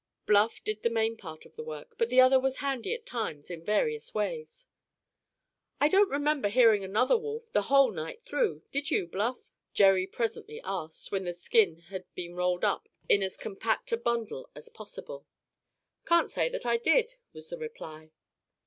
Bluff did the main part of the work, but the other was handy at times in various ways. "I don't remember hearing another howl the whole night through; did you, Bluff?" Jerry presently asked, when the skin had been rolled up in as compact a bundle as possible. "Can't say that I did," was the reply.